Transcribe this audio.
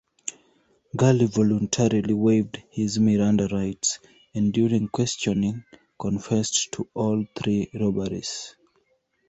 Galli voluntarily waived his Miranda rights, and during questioning, confessed to all three robberies.